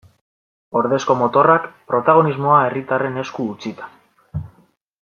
Ordezko motorrak, protagonismoa herritarren esku utzita.